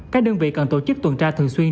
các đơn vị cần tổ chức tuần tra thường xuyên